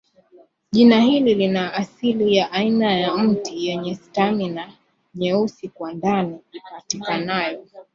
Jina hili lina asili ya aina ya miti yenye stamina nyeusi kwa ndani ipatikanayo